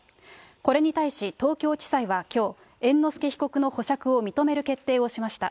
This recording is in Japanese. これに対し、東京地裁はきょう、猿之助被告の保釈を認める決定をしました。